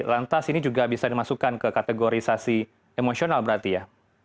lantas ini juga bisa dimasukkan ke kategorisasi emosional berarti ya